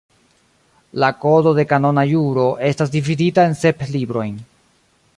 La Kodo de Kanona Juro estas dividita en sep librojn.